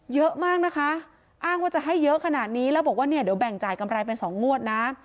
เยอะมากนะคะอ้างว่าจะให้เยอะขนาดนี้แล้วบอกว่าเนี่ยเดี๋ยวแบ่งจ่ายกำไรเป็น๒งวดนะ